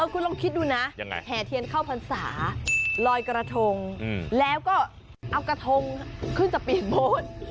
คุณลองคิดดูนะแห่เทียนเข้าพรรษาลอยกระทงแล้วก็เอากระทงขึ้นจะเปลี่ยนโบสต์